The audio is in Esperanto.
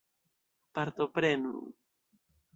Partoprenu!